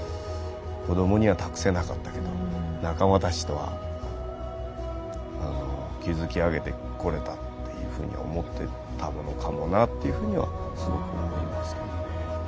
子どもには託せなかったけど仲間たちとは築き上げてこれたっていうふうに思ってたのかもなっていうふうにはすごく思いますけどね。